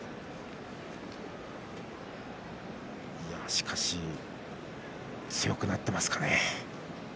しかし、強くなっていますかね。